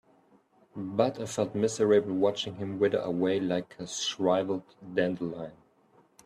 But I felt miserable watching him wither away like a shriveled dandelion.